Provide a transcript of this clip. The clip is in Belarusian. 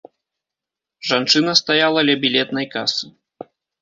Жанчына стаяла ля білетнай касы.